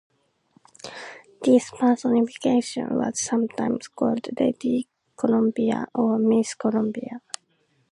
This personification was sometimes called "Lady Columbia" or "Miss Columbia".